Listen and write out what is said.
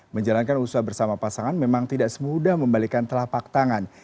menjalankan usaha bersama pasangan memang tidak semudah membalikan telapak tangan